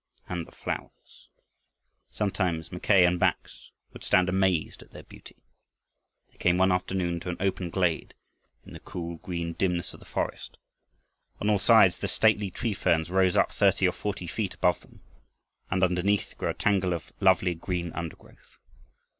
And the flowers! Sometimes Mackay and Bax would stand amazed at their beauty. They came one afternoon to an open glade in the cool green dimness of the forest. On all sides the stately tree ferns rose up thirty or forty feet above them, and underneath grew a tangle of lovely green undergrowth.